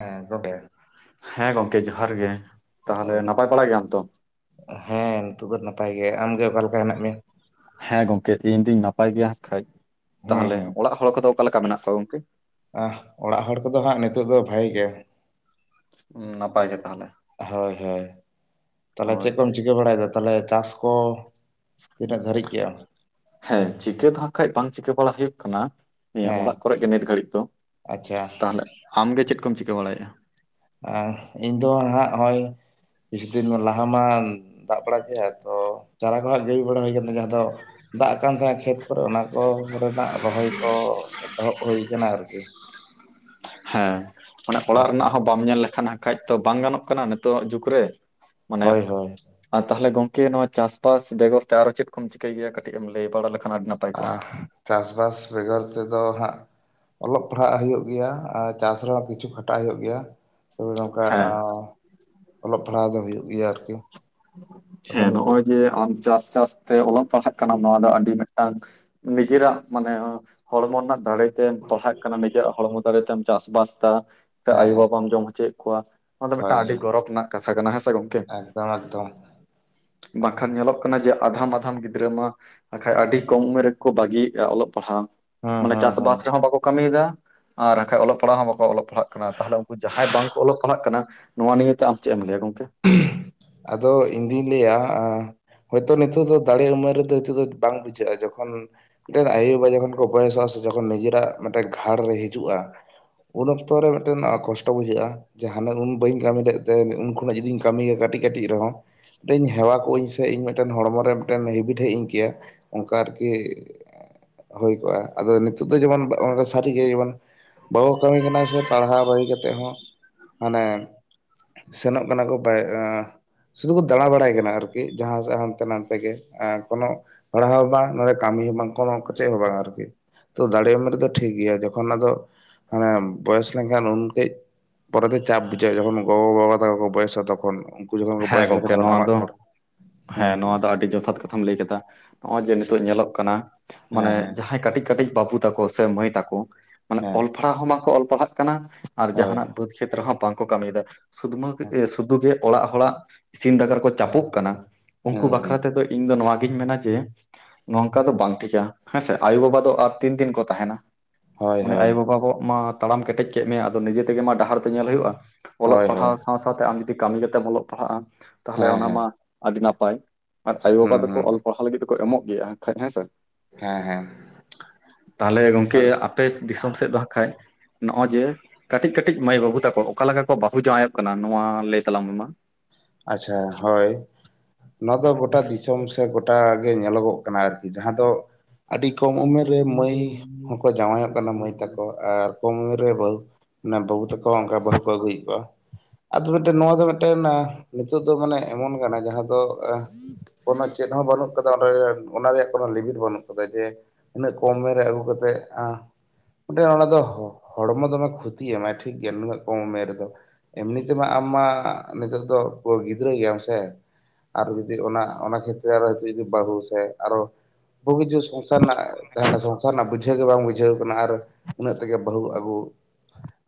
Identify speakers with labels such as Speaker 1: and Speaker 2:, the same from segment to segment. Speaker 1: ᱦᱮᱸ ᱜᱚᱝᱠᱮ [unintelligible]
Speaker 2: ᱦᱮᱸ ᱜᱚᱝᱠᱮ ᱡᱚᱦᱟᱨ ᱜᱮ
Speaker 1: ᱚ
Speaker 2: ᱛᱟᱦᱚᱞᱮ ᱱᱟᱯᱟᱭ ᱵᱟᱲᱟ ᱜᱮᱭᱟᱢ ᱛᱚ
Speaker 1: ᱦᱮᱸ ᱱᱤᱛᱳᱜ ᱫᱚ ᱱᱟᱯᱟᱭ ᱜᱮ ᱟᱢᱜᱮ ᱚᱠᱟ ᱞᱮᱠᱟ ᱦᱮᱱᱟᱜ ᱢᱮᱭᱟ
Speaker 2: ᱦᱮᱸ ᱜᱚᱝᱠᱮ ᱤᱧ ᱫᱩᱧ ᱱᱟᱯᱟᱭ ᱜᱮᱭᱟ ᱠᱷᱟᱡ
Speaker 1: ᱦᱮᱸ
Speaker 2: ᱛᱟᱦᱚᱞᱮ
Speaker 1: ᱦᱮᱸ
Speaker 2: ᱚᱲᱟᱜ ᱦᱚᱲ ᱠᱚᱫᱚ ᱚᱠᱟᱞᱮᱠᱟ ᱢᱮᱱᱟᱜ ᱠᱚᱣᱟ ᱜᱚᱝᱠᱮ
Speaker 1: ᱟᱸ ᱚᱲᱟᱜ ᱦᱚᱲ ᱠᱚᱫᱚ ᱦᱟᱸᱜ ᱱᱤᱛᱚᱜ ᱫᱚ ᱵᱷᱟᱜᱤ ᱜᱮ
Speaker 2: ᱩᱸ ᱱᱟᱯᱟᱭ ᱜᱮ ᱛᱟᱦᱚᱞᱮ
Speaker 1: ᱦᱳᱭ ᱦᱳᱭ ᱛᱟᱦᱚᱞᱮ
Speaker 2: ᱦᱳᱭ
Speaker 1: ᱪᱮᱫ ᱠᱚᱢ ᱪᱤᱠᱟᱹ ᱵᱟᱲᱟᱭᱮᱫᱟ ᱛᱟᱦᱚᱞᱮ ᱪᱟᱹᱥ ᱠᱚ ᱛᱤᱱᱟᱹᱜ ᱫᱷᱟᱹᱨᱤᱡ ᱠᱮᱫ ᱟᱢ
Speaker 2: ᱦᱮᱸ ᱪᱤᱠᱟᱹ ᱫᱚ ᱦᱟᱸᱜ ᱠᱷᱟᱡ ᱵᱟᱝ ᱪᱤᱠᱟᱹ ᱵᱟᱲᱟ ᱦᱩᱭᱩᱜ ᱠᱟᱱᱟ᱾ ᱱᱤᱭᱟᱹ
Speaker 1: ᱦᱮᱸ
Speaker 2: ᱚᱲᱟᱜ ᱠᱚᱨᱮ ᱜᱮ ᱱᱤᱛ ᱜᱷᱟᱹᱲᱤᱡ ᱫᱚ
Speaker 1: ᱟᱪᱪᱷᱟ
Speaker 2: ᱛᱟᱦᱚᱞᱮ ᱟᱢᱜᱮ ᱪᱮᱫ ᱠᱚᱢ ᱪᱤᱠᱟᱹ ᱵᱟᱲᱟᱭᱮᱫᱼᱟ᱾
Speaker 1: ᱟᱸ ᱤᱧ ᱫᱚ ᱦᱟᱸᱜ ᱱᱚᱜᱼᱚᱭ ᱠᱤᱪᱷᱩ ᱫᱤᱱ ᱞᱟᱦᱟ ᱢᱟ ᱫᱟᱜ ᱵᱟᱲᱟ ᱠᱮᱫ ᱟᱭ ᱛᱚ ᱪᱟᱨᱟ ᱠᱚ ᱦᱟᱸᱜ ᱜᱤᱰᱤ ᱵᱟᱲᱟ ᱦᱩᱭ ᱟᱠᱟᱱᱟ ᱡᱟᱦᱟᱸ ᱫᱚ ᱫᱟᱜ ᱠᱟᱱ ᱛᱟᱦᱮᱸᱱᱟ ᱠᱷᱮᱛ ᱠᱚᱨᱮ ᱚᱱᱟ ᱠᱚ ᱨᱮᱱᱟᱜ ᱨᱚᱦᱚᱭ ᱠᱚ ᱮᱛᱚᱦᱚᱵ ᱦᱩᱭ ᱟᱠᱟᱱᱟ ᱟᱨᱠᱤ
Speaker 2: ᱦᱮᱸ ᱚᱱᱮ ᱚᱲᱟᱜ
Speaker 1: ᱟᱪᱪᱷᱟ
Speaker 2: ᱨᱮᱱᱟᱜ ᱦᱚᱸ ᱵᱟᱢ ᱧᱮᱞ ᱞᱮᱠᱷᱟᱱ ᱠᱷᱟᱡ ᱛᱚ ᱵᱟᱝ ᱜᱟᱱᱚᱜ ᱠᱟᱱᱟ ᱱᱤᱛᱚᱜ ᱟᱜ ᱡᱩᱜᱽ ᱨᱮ ᱢᱟᱱᱮ
Speaker 1: ᱦᱳᱭ ᱦᱳᱭ
Speaker 2: ᱟᱨ ᱛᱟᱦᱚᱞᱮ ᱜᱚᱝᱠᱮ ᱱᱚᱣᱟ ᱪᱟᱹᱥᱵᱟᱥ ᱵᱮᱜᱚᱨ ᱛᱮ ᱟᱨ ᱚ ᱪᱮᱫ ᱠᱚᱢ ᱪᱤᱠᱟᱹᱭ ᱜᱮᱭᱟ ᱠᱟᱹᱴᱤᱡ ᱮᱢ ᱞᱟᱹᱭ ᱵᱟᱲᱟ ᱞᱮᱠᱷᱟᱱ ᱟᱹᱰᱤ ᱱᱟᱯᱟᱭ ᱠᱚᱜᱼᱟ
Speaker 1: ᱪᱟᱹᱥᱵᱟᱥ ᱵᱮᱜᱚᱨ ᱛᱮᱫᱚ ᱦᱟᱸᱜ ᱚᱞᱚᱜ ᱯᱟᱲᱦᱟᱜ ᱦᱩᱭᱩᱜ ᱜᱮᱭᱟ ᱟᱨ ᱪᱟᱥ ᱨᱮᱦᱚᱸ ᱠᱤᱪᱷᱩ ᱠᱷᱟᱴᱟᱜ ᱦᱩᱭᱩᱜ ᱜᱮᱭᱟ ᱾ ᱛᱚᱵᱮ ᱱᱚᱝᱠᱟ
Speaker 2: ᱦᱮᱸ
Speaker 1: ᱟᱶ ᱚᱞᱚᱜ ᱯᱟᱲᱦᱟᱣ ᱫᱚ ᱦᱩᱭᱩᱜ ᱜᱮᱭᱟ ᱟᱨᱠᱤ ᱾
Speaker 2: ᱦᱮᱸ ᱱᱚᱜᱼᱚᱭ ᱡᱮ ᱟᱢ ᱪᱟᱥ ᱪᱟᱥ ᱾ ᱛᱮ ᱚᱞᱚᱜ ᱯᱟᱲᱦᱟᱜ ᱠᱟᱱᱟ ᱱᱚᱣᱟ ᱫᱚ ᱟᱹᱰᱤ ᱢᱤᱫᱴᱟᱝ ᱱᱤᱡᱮᱨᱟᱜ ᱢᱟᱱᱮ ᱦᱚᱲᱢᱚ ᱨᱮᱱᱟᱜ ᱫᱟᱲᱮ᱾ ᱛᱮᱢ ᱯᱟᱲᱦᱟᱜ ᱠᱟᱱᱟ ᱱᱤᱡᱮᱨᱟᱜ ᱦᱚᱲᱢᱚ ᱫᱟᱲᱮ ᱛᱮᱢ ᱪᱟᱥᱵᱟᱥ ᱫᱟ ᱥᱮ
Speaker 1: ᱦᱮᱸ
Speaker 2: ᱟᱭᱩ
Speaker 1: ᱦᱮᱸ
Speaker 2: ᱵᱟᱵᱟᱢ ᱡᱚᱢ ᱦᱚᱪᱚᱭᱮᱫ ᱠᱚᱣᱟ ᱾ ᱱᱚᱣᱟ ᱫᱚ
Speaker 1: ᱦᱳᱭ
Speaker 2: ᱢᱤᱫᱴᱟᱝ ᱟᱹᱰᱤ ᱜᱚᱨᱚᱵᱽ ᱨᱮᱱᱟᱜ ᱠᱟᱛᱷᱟ ᱠᱟᱱᱟ ᱦᱮᱸ ᱥᱮ ᱜᱚᱝᱠᱮ ᱾
Speaker 1: ᱛᱟᱲᱟᱜ ᱫᱟᱢ ᱾
Speaker 2: ᱵᱟᱝᱠᱷᱟᱱ ᱧᱮᱞᱚᱜ ᱠᱟᱱᱟ ᱡᱮ ᱟᱫᱷᱟᱢ ᱢᱟᱫᱷᱟᱢ ᱜᱤᱫᱽᱨᱟᱹ ᱾ ᱵᱟᱠᱷᱟᱡ ᱟᱹᱰᱤ ᱠᱚᱢ ᱩᱢᱮᱨ ᱨᱮᱠᱚ ᱵᱟᱹᱜᱤᱭᱮᱫᱼᱟ ᱚᱞᱚᱜ ᱯᱟᱲᱦᱟᱜ ᱾
Speaker 1: ᱦᱩᱸ
Speaker 2: ᱢᱟᱱᱮ
Speaker 1: ᱦᱩᱸ ᱦᱩᱸ
Speaker 2: ᱪᱟᱥᱵᱟᱥ ᱨᱮᱦᱚᱸ ᱵᱟᱠᱚ ᱠᱟᱹᱢᱤᱭᱮᱫᱟ ᱟᱨ ᱵᱟᱠᱷᱟᱡ ᱚᱞᱚᱜ ᱯᱟᱲᱦᱟᱜ ᱦᱚᱸ ᱵᱟᱠᱚ? ᱚᱞᱚᱜ ᱯᱟᱲᱦᱟᱜ ᱠᱟᱱᱟ ᱛᱟᱦᱚᱞᱮ ᱩᱱᱠᱩ ᱡᱟᱦᱟᱸᱭ ᱵᱟᱝ ᱠᱚ ᱚᱞᱚᱜ ᱯᱟᱲᱦᱟᱜ ᱠᱟᱱᱟ ᱱᱚᱣᱟ ᱱᱤᱭᱮᱛᱮ ᱟᱢ ᱪᱮᱫ ᱮᱢ ᱞᱟᱹᱭᱟ ᱜᱚᱝᱠᱮ?
Speaker 1: ᱟᱫᱚ ᱤᱧᱫᱩᱧ ᱞᱟᱹᱭᱟ᱾ ᱦᱳᱭᱛᱚ ᱱᱤᱛᱚᱜ ᱫᱚ ᱫᱟᱲᱮ ᱩᱢᱮᱨ ᱨᱮᱫᱚ ᱱᱤᱛᱚ ᱫᱚ ᱵᱟᱝ ᱵᱩᱡᱷᱟᱹᱜᱼᱟ ᱡᱚᱠᱷᱚᱱ ᱾ ᱢᱤᱫᱴᱮᱱ ᱟᱭᱳᱼᱵᱟᱵᱟ ᱡᱚᱠᱷᱚᱱ ᱠᱚ ᱵᱚᱭᱮᱥᱚᱜᱼᱟ ᱥᱮ ᱡᱚᱠᱷᱚᱱ ᱱᱤᱡᱮᱨᱟᱜ ᱢᱤᱫᱴᱮᱱ ᱜᱷᱟᱴ ᱨᱮ ᱦᱤᱡᱩᱜᱼᱟ ᱾ ᱩᱱ ᱚᱠᱛᱚ ᱨᱮ ᱢᱤᱫᱴᱮᱱ ᱠᱚᱥᱴᱚ ᱵᱩᱡᱷᱟᱹᱜᱼᱟ ᱡᱟ ᱦᱟᱱᱮ ᱩᱱ ᱵᱟᱹᱧ ᱠᱟᱹᱢᱤ ᱞᱮᱫ ᱛᱮ ᱩᱱ ᱾ ᱩᱱᱟᱹᱜ ᱡᱩᱫᱤᱧ ᱠᱟᱹᱢᱤᱭᱟ ᱠᱟᱹᱴᱤᱡ ᱠᱟᱹᱴᱤᱡ ᱨᱮᱦᱚᱸ ᱾ ᱢᱤᱫᱴᱟᱹᱝ ᱤᱧ ᱦᱮᱣᱟ ᱠᱚᱜ ᱟ ᱥᱮ ᱤᱧ ᱢᱤᱫᱴᱮᱱ ᱦᱚᱲᱢᱚ ᱨᱮ ᱢᱤᱫᱴᱮᱱ ᱦᱮᱵᱤᱴ ᱦᱮᱡ ᱤᱧ ᱠᱮᱭᱟ ᱾ ᱚᱱᱠᱟ ᱟᱨᱠᱤ ᱦᱩᱭ ᱠᱚᱜᱼᱟ ᱟᱫᱚ ᱱᱤᱛᱚᱜ ᱫᱚ ᱡᱮᱢᱚᱱ ᱥᱟᱹᱨᱤᱜᱮ ᱡᱮᱢᱚᱱ᱾ ᱵᱟᱠᱚ ᱠᱟᱹᱢᱤ ᱠᱟᱱᱟ ᱥᱮ ᱯᱟᱲᱦᱟᱣ ᱵᱟᱜᱤ ᱠᱟᱛᱮ ᱦᱚᱸ ᱢᱟᱱᱮ ᱥᱮᱱᱚᱜ᱾ ᱚᱱᱟ ᱠᱚ ᱵᱟᱭ [inaudible] ᱥᱩᱫᱷᱩ ᱠᱚ ᱫᱟᱲᱟ ᱵᱟᱲᱟᱭ ᱠᱟᱱᱟ ᱟᱨᱠᱤ ᱡᱟᱦᱟ ᱥᱮᱫ ᱦᱟᱱᱛᱮ ᱱᱟᱛᱮ ᱜᱮ ᱠᱚᱱᱚ ᱾ ᱯᱟᱲᱦᱟᱣ ᱦᱚᱸ ᱵᱟᱝ ᱱᱚᱰᱮ ᱠᱟᱹᱢᱤ ᱦᱚᱸ ᱵᱟᱝ ᱠᱚᱱᱚ ᱪᱮᱫ ᱦᱚᱸ ᱵᱟᱝ ᱟᱨᱠᱤ᱾ ᱛᱚ ᱫᱟᱲᱮᱢ ᱩᱢᱮᱨ ᱨᱮᱫᱚ ᱴᱷᱤᱠ ᱜᱮᱭᱟ ᱡᱚᱠᱷᱚᱱ ᱟᱫᱚ ᱢᱟᱱᱮ ᱵᱚᱭᱮᱥ ᱞᱮᱱᱠᱷᱟᱱ ᱩᱱ ᱠᱟᱹᱡ ᱾ ᱯᱚᱨᱮ ᱫᱚ ᱪᱟᱯ ᱵᱩᱡᱷᱟᱹᱜᱼᱟ ᱡᱚᱠᱷᱚᱱ ᱜᱚᱜᱚᱼᱵᱟ ᱛᱟᱠᱚ ᱠᱚ ᱵᱚᱭᱮᱥᱟ ᱛᱚᱠᱷᱚᱱ ᱩᱱ ᱾
Speaker 2: ᱦᱮᱸ ᱜᱚᱝᱠᱮ ᱱᱚᱣᱟ ᱫᱚ ᱦᱮᱸ ᱱᱚᱣᱟ
Speaker 1: ᱦᱩᱸ
Speaker 2: ᱫᱚ ᱟᱹᱰᱤ ᱡᱚᱛᱷᱟᱛ ᱠᱟᱛᱷᱟ ᱾ ᱛᱷᱟᱢ ᱞᱟᱹᱭ ᱠᱮᱫᱟ ᱱᱚᱜᱼᱚᱭ ᱡᱮ ᱱᱤᱛᱚᱜ ᱧᱮᱞᱚᱜ ᱠᱟᱱᱟ
Speaker 1: ᱦᱮᱸ
Speaker 2: ᱢᱟᱱᱮ
Speaker 1: ᱦᱮᱸ
Speaker 2: ᱡᱟᱦᱟᱸᱭ ᱠᱟᱹᱴᱤᱡ ᱠᱟᱹᱴᱤᱡ᱾ ᱵᱟᱹᱵᱩ ᱛᱟᱠᱚ ᱥᱮ ᱢᱟᱹᱭ ᱛᱟᱠᱚ ᱢᱟᱱᱮ
Speaker 1: ᱦᱮᱸ
Speaker 2: ᱚᱞ ᱯᱟᱲᱦᱟᱣ ᱦᱚᱸ ᱵᱟᱠᱚ ᱚᱞ ᱯᱟᱲᱦᱟᱜ ᱠᱟᱱᱟ ᱟᱨ
Speaker 1: ᱦᱳᱭ
Speaker 2: ᱡᱟᱦᱟᱱᱟᱜ ᱵᱟᱹᱛ? ᱠᱷᱮᱛ ᱨᱮᱦᱚᱸ ᱵᱟᱝ ᱠᱚ ᱠᱟᱹᱢᱤᱭᱮᱫᱟ ᱥᱩᱫᱢᱟᱹ ᱥᱩᱫᱷᱩ ᱜᱮ ᱚᱲᱟᱜ ᱾ ᱦᱚᱲᱟᱜ ᱤᱥᱤᱱ ᱫᱟᱠᱟ ᱨᱮ ᱠᱚ ᱪᱟᱯᱚᱜ ᱠᱟᱱᱟ ᱩᱱᱠᱩ
Speaker 1: ᱦᱩᱸ ᱦᱩᱸ
Speaker 2: ᱵᱟᱠᱷᱨᱟ ᱛᱮᱫᱚ ᱤᱧ ᱫᱚ ᱱᱚᱣᱟᱜᱤᱧ ᱢᱮᱱᱟ ᱡᱮ? ᱱᱚᱝᱠᱟ ᱫᱚ ᱵᱟᱝ ᱴᱷᱤᱠᱟ ᱦᱮᱸᱥᱮ ᱟᱭᱩᱵᱟᱵᱟ ᱫᱚ ᱟᱨ ᱛᱤᱱ ᱫᱤᱱ ᱠᱚ ᱛᱟᱦᱮᱱᱟ?
Speaker 1: ᱦᱳᱭ
Speaker 2: ᱚᱱᱮ
Speaker 1: ᱦᱳᱭ
Speaker 2: ᱟᱭᱳᱼᱵᱟᱵᱟ ᱠᱚᱜ ᱢᱟ ᱛᱟᱲᱟᱢ ᱠᱮᱴᱮᱡ ᱠᱮᱫ ᱢᱮᱭᱟᱭ ᱟᱫᱚ ᱱᱤᱡᱮ ᱛᱮᱜᱮ ᱢᱟ ᱰᱟᱦᱟᱨ ᱫᱚ ᱧᱮᱞ ᱦᱩᱭᱩᱜᱼᱟ᱾ ᱚᱞᱚᱜ
Speaker 1: ᱦᱳᱭ ᱦᱳᱭ
Speaker 2: ᱯᱟᱲᱦᱟᱣ ᱥᱟᱶ ᱥᱟᱶᱶᱛᱮ ᱟᱢ ᱡᱩᱚᱫᱤ ᱠᱟᱹᱢᱤ ᱠᱟᱛᱮᱢ ᱚᱞᱚᱜ ᱯᱟᱲᱦᱟᱜᱼᱟ ᱛᱟᱦᱚᱞᱮ
Speaker 1: ᱦᱮᱸ
Speaker 2: ᱚᱱᱟ
Speaker 1: ᱦᱮᱸ
Speaker 2: ᱢᱟ ᱟᱹᱰᱤ ᱱᱟᱯᱟᱭ᱾ ᱟᱨ
Speaker 1: ᱦᱩᱸ
Speaker 2: ᱟᱭᱳᱵᱟᱵᱟ ᱫᱚᱠᱚ
Speaker 1: ᱦᱩᱸ
Speaker 2: ᱚᱞ ᱯᱟᱲᱦᱟᱣ ᱞᱟᱹᱜᱤᱫ ᱫᱚᱠᱚ ᱮᱢᱚᱜ ᱜᱮᱭᱟ ᱠᱷᱟᱡ ᱦᱮᱸᱥᱮ᱾
Speaker 1: ᱦᱮᱸ ᱦᱮᱸ
Speaker 2: ᱛᱟᱦᱞᱮ ᱜᱚᱝᱠᱮ ᱟᱯᱮ ᱫᱤᱥᱚᱢ ᱥᱮᱫ ᱫᱚ ᱦᱟᱸᱜ ᱠᱷᱟᱡ? ᱱᱚᱜ ᱚᱭ ᱡᱮ ᱠᱟᱹᱴᱤᱡ ᱠᱟᱹᱴᱤᱡ ᱢᱟᱹᱭ ᱵᱟᱹᱵᱩ ᱛᱟᱠᱚ ᱚᱠᱟ ᱞᱮᱠᱟ ᱠᱚ ᱵᱟᱹᱦᱩ ᱡᱟᱶᱟᱭᱚᱜ ᱠᱟᱱᱟ ᱱᱚᱣᱟ ᱞᱟᱹᱭ ᱛᱟᱞᱟᱝ ᱢᱮ ᱢᱟ ᱾
Speaker 1: ᱟᱪᱪᱷᱟ ᱦᱳᱭ ᱱᱚᱣᱟ ᱫᱚ ᱜᱚᱴᱟ ᱫᱤᱥᱚᱢ ᱥᱮ ᱜᱚ᱾ ᱜᱚᱴᱟ ᱜᱮ ᱧᱮᱞᱚᱜᱚᱜ ᱠᱟᱱᱟ ᱟᱨᱠᱤ ᱡᱟᱦᱟᱸ ᱫᱚ ᱾ ᱟᱹᱰᱤ ᱠᱚᱢ ᱩᱢᱮᱨ ᱨᱮ ᱢᱟᱹᱭ ᱦᱚᱸᱠᱚ ᱡᱟᱶᱟᱭᱚᱜ ᱠᱟᱱᱟ ᱢᱟᱹᱭ ᱛᱟᱠᱚ ᱟᱨ ᱠᱚᱢ ᱩᱢᱮᱨ ᱨᱮ ᱵᱟᱹᱦᱩ᱾ ᱱᱟ ᱵᱟᱵᱩ ᱛᱟᱠᱚ ᱚᱱᱠᱟ ᱵᱟᱹᱦᱩ ᱠᱚ ᱟᱹᱜᱩᱭᱮᱫ ᱠᱚᱣᱟ ᱟᱫᱚ ᱢᱤᱫᱴᱮᱱ ᱱᱚᱣᱟ ᱫᱚ ᱢᱤᱫᱴᱮᱱ ᱾ ᱱᱤᱛᱳᱜ ᱫᱚ ᱢᱟᱱᱮ ᱮᱢᱚᱱ ᱠᱟᱱᱟ ᱡᱟᱦᱟᱸ ᱫᱚ᱾ ᱠᱳᱱᱳ ᱪᱮᱫ ᱦᱚᱸ ᱵᱟᱹᱱᱩᱜ ᱠᱟᱫᱟ ᱚᱱᱟ ᱨᱮ ᱚᱱᱟ ᱨᱮᱭᱟᱜ ᱠᱳᱱᱳ ᱞᱤᱢᱤᱴ ᱵᱟᱹᱱᱩᱜ ᱠᱟᱫᱟ ᱡᱮ? ᱤᱱᱟᱹᱜ ᱠᱚᱢ ᱩᱢᱮᱨ ᱨᱮ ᱟᱹᱜᱩ ᱠᱟᱛᱮᱫ ᱟ? ᱢᱤᱫᱴᱮᱱ ᱚᱱᱟ ᱫᱚ ᱦᱚᱲᱢᱚ ᱫᱚᱢᱮ ᱠᱷᱚᱛᱤ ᱮᱢᱟᱭ ᱴᱷᱤᱠ ᱜᱮᱭᱟ ᱱᱩᱱᱟᱹᱜ ᱠᱚᱢ ᱩᱢᱮᱨ ᱨᱮᱫᱚ ᱾ ᱮᱢᱱᱤ ᱛᱮᱢᱟ ᱟᱢ ᱢᱟ ᱱᱤᱛᱳᱜ ᱫᱚ ᱜᱤᱫᱽᱨᱟᱹ ᱜᱮᱭᱟᱢ ᱥᱮ᱾ ᱟᱨ ᱡᱩᱫᱤ ᱚᱱᱟ ᱚᱱᱟ ᱠᱷᱮᱛᱨᱮ ᱨᱮ ᱵᱟᱹᱦᱩ ᱥᱮ ᱟᱨᱚ ᱦᱚᱸ [unintelligible] ᱥᱚᱝᱥᱟᱨ ᱨᱮᱱᱟᱜ ᱛᱟᱦᱮᱸᱱᱟ ᱥᱚᱝᱥᱟᱨ ᱨᱮᱱᱟᱜ ᱵᱩᱡᱽ ᱡᱷᱟᱹᱣ ᱜᱮ ᱵᱟᱝ ᱵᱩᱡᱷᱟᱹᱣ ᱠᱟᱱᱟ ᱟᱨ, ᱩᱱᱟᱹᱜ ᱛᱮᱜᱮ ᱵᱟᱹᱦᱩ ᱟᱜᱩ